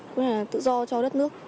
cũng như là tự do cho đất nước